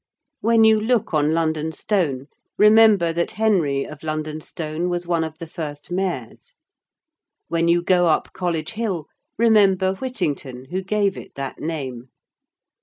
When you look on London Stone, remember that Henry of London Stone was one of the first Mayors. When you go up College Hill, remember Whittington who gave it that name.